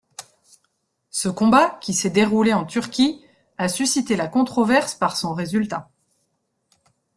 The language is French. Ce combat, qui s'est déroulé en Turquie, a suscité la controverse par son résultat.